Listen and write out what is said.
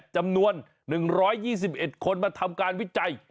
จำนวน๑๒๑คนมาทำการวิจัย